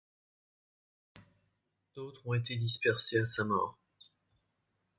D'autres ont été dispersés à sa mort.